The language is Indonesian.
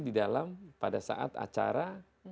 di dalam pada saat acara